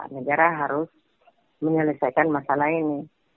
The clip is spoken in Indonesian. negara harus menyelesaikan masalah ini